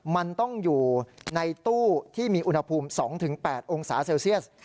มันต้องอยู่ในตู้ที่มีอุณหภูมิ๒๘องศาเซลเซียส